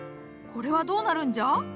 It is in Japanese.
これはどうなるんじゃ？